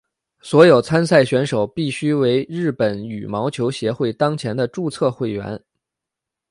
所有参赛选手必须为日本羽毛球协会当前的注册会员。